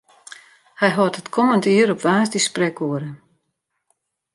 Hy hâldt it kommende jier op woansdei sprekoere.